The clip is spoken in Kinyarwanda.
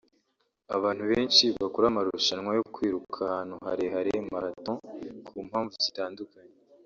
Abantu benshi bakora amarushanwa yo kwiruka ahantu harehare (marathon) ku mpamvu zitandukanye